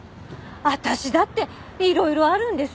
私だっていろいろあるんです！